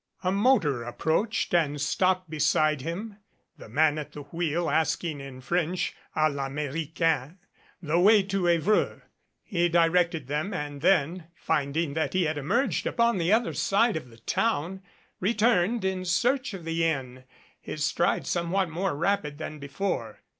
A motor approached and stopped beside him, the man at the wheel asking in French a VAmericain the way to Evreux. He directed them and then, finding that he had 119 MADCAP emerged upon the other side of the town, returned in search of the Inn, his stride somewhat more rapid than before.